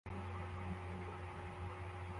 Umukobwa ukiri muto asukura hasi akoresheje igitambaro